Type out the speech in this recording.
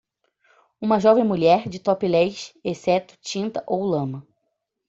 Uma jovem mulher? de topless, exceto tinta ou lama.